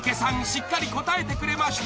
しっかり答えてくれました］